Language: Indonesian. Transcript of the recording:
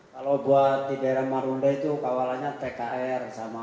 mau buat di daerah marunda itu kawalannya tkr sama